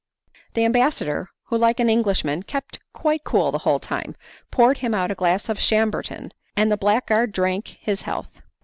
The ambassador, who like an Englishman kept quite cool the whole time, poured him out a glass of Chambertin, and the blackguard drank his health.